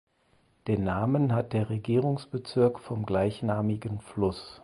Den Namen hat der Regierungsbezirk vom gleichnamigen Fluss.